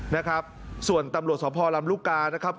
นะครับส่วนตำรวจสภลำลูกกานะครับ